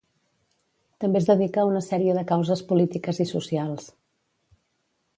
També es dedica a una sèrie de causes polítiques i socials.